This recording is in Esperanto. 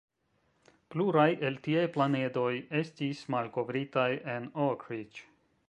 Pluraj el tiaj planedoj estis malkovritaj en Oak Ridge.